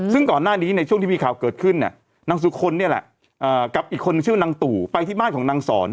ซึ่งก่อนหน้านี้ในช่วงที่มีข่าวเกิดขึ้นเนี่ยนางสุคลเนี่ยแหละกับอีกคนนึงชื่อว่านางตู่ไปที่บ้านของนางสอน